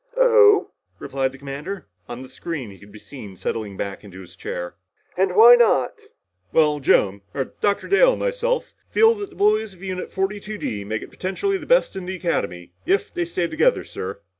"Oh?" replied the commander. On the screen he could be seen settling back in his chair. "And why not?" "Well, Joan er Dr. Dale and myself feel that the boys of Unit 42 D make it potentially the best in the Academy if they stay together, sir."